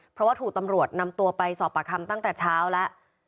เพราะว่าถูกตำรวจนำตัวไปสอบประคำตั้งแต่เช้าแล้ว